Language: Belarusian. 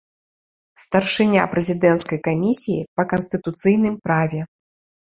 Старшыня прэзідэнцкай камісіі па канстытуцыйным праве.